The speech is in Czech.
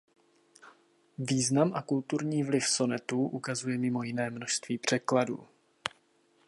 Význam a kulturní vliv Sonetů ukazuje mimo jiné množství překladů.